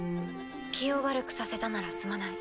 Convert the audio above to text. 気を悪くさせたならすまない。